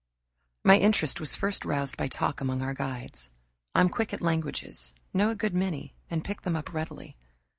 My interest was first roused by talk among our guides. I'm quick at languages, know a good many, and pick them up readily.